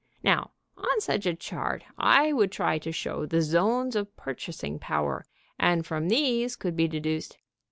Now, on such a chart I would try to show the zones of Purchasing Power, and from these could be deduced...."